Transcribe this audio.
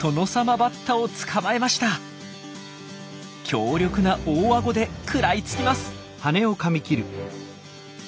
強力な大あごで食らいつきます。